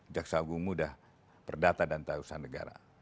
jaksa agung muda perdata dan tahusan negara